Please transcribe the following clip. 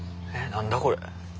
何だこれ。